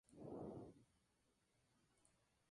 Es un lugar bello y maravilloso aislado del resto del mundo.